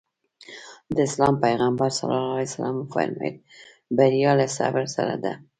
د اسلام پيغمبر ص وفرمايل بريا له صبر سره ده.